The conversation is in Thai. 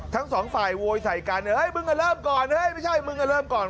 ทั้งสองฝ่ายโวยใส่กันเฮ้มึงก็เริ่มก่อนเฮ้ยไม่ใช่มึงก็เริ่มก่อน